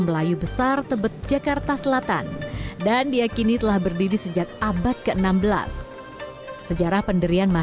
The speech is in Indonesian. melayu besar tebet jakarta selatan dan diakini telah berdiri sejak abad ke enam belas sejarah penderian